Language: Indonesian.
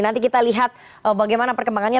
nanti kita lihat bagaimana perkembangannya